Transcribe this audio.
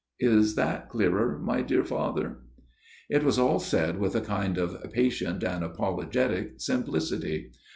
... Is that clearer, my dear Father ?" It was all said with a kind of patient and apolo getic simplicity.